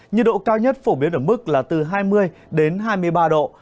nhiệt độ cao nhất phổ biến ở mức là từ hai mươi đến hai mươi ba độ